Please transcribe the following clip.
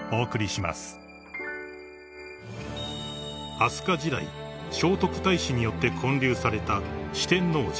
［飛鳥時代聖徳太子によって建立された］